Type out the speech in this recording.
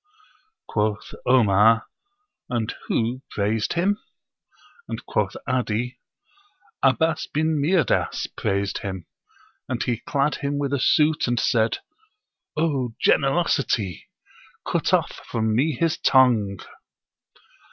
Quoth Omar, "And who praised him?" And quoth 'Adi, "Abbás bin Mirdás praised him, and he clad him with a suit and said, 'O Generosity! Cut off from me his tongue!'"